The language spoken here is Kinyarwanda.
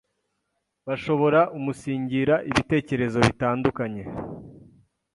bashobora umunsigira ibitekerezo bitandukanye